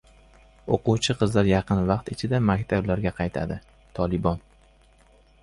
O‘quvchi qizlar yaqin vaqt ichida maktablarga qaytadi - Tolibon